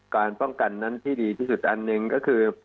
การป้องกันนั้นที่ดีที่สุดอันหนึ่งก็คือ